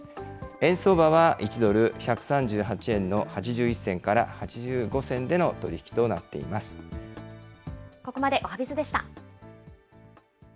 円相場は１ドル１３８円の８１銭から８５銭での取り引きとなってここまでおはＢｉｚでした。